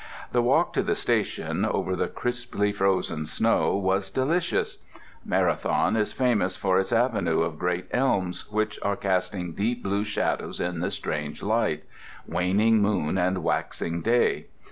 The walk to the station, over the crisply frozen snow, was delicious. Marathon is famous for its avenue of great elms, which were casting deep blue shadows in the strange light—waning moon and waxing day.